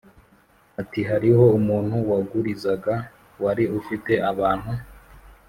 Ati Hariho umuntu wagurizaga wari ufite abantu